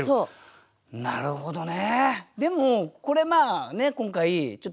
なるほどね。